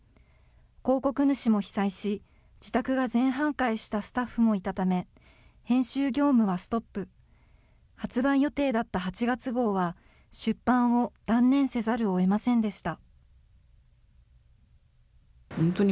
広告主も被災し、自宅が全半壊したスタッフもいたため、編集業務はストップ。発売予定だった８月号は、出版を断念せざるをえませんでした。